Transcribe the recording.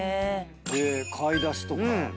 で買い出しとか。